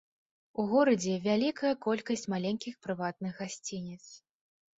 У горадзе вялікая колькасць маленькіх прыватных гасцініц.